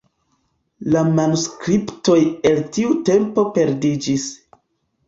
La manuskriptoj el tiu tempo perdiĝis.